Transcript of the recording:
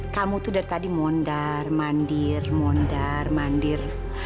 kamu tuh dari tadi mondar mandir mondar mandir